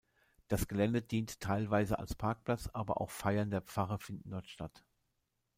Das Gelände dient teilweise als Parkplatz, aber auch Feiern der Pfarre finden dort statt.